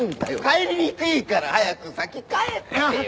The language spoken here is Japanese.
帰りにくいから早く先帰ってよ！